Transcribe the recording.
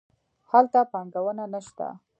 هلته پانګونه نه شته.